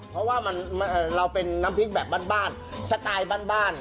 เพราะว่าเราเป็นน้ำพริกแบบบ้านสไตล์บ้าน